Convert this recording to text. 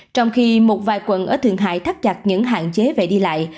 trong khi một vài quận ở thượng hải thắt chặt những hạn chế về đi lại